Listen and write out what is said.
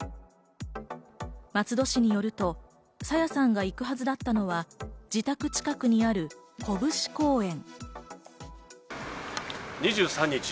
松戸市によると朝芽さんが行くはずだったのは自宅近くにある、こぶし公園。